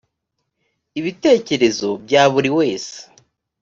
ibitekerezo bya buri wese